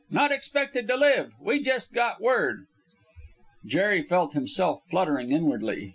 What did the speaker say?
Not expected to live. We just got word." Jerry felt himself fluttering inwardly.